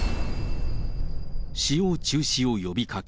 使用中止を呼びかけ。